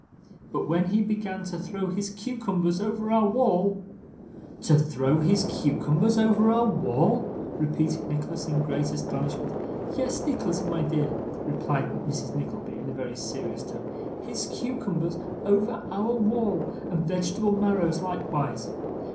But when he began to throw his cucumbers over our wall ' 'To throw his cucumbers over our wall!' repeated Nicholas, in great astonishment. 'Yes, Nicholas, my dear,' replied Mrs. Nickleby in a very serious tone; 'his cucumbers over our wall. And vegetable marrows likewise.